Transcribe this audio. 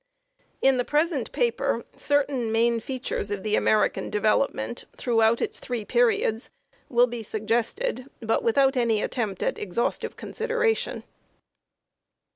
In the present paper certain main features of the American development, throughout its three periods, will be suggested ; but without any attempt at exhaustive consideration.